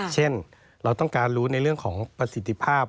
เช่นเราต้องการรู้ในเรื่องของประสิทธิภาพ